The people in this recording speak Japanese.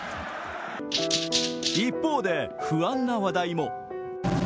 一方で不安な話題も。